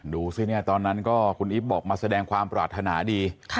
ดูสิเนี่ยตอนนั้นก็คุณอีฟบอกมาแสดงความปรารถนาดี